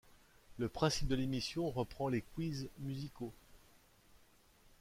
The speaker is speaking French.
Le principe de l'émission reprend les quiz musicaux.